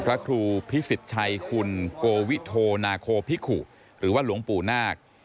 พระครูพิสิทธิ์ชัยคุณโกวิโทนาโคพิขุหรือว่าหลวงปู่นาค